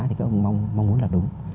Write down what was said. thì các ông mong muốn là đúng